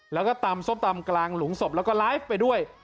แล้วก็ตำส้มตำกลางหลุมศพแล้วก็ไลฟ์ไปด้วย